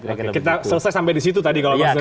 kita selesai sampai di situ tadi kalau mas wawiyah katakan